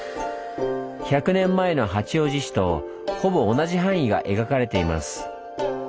１００年前の八王子市とほぼ同じ範囲が描かれています。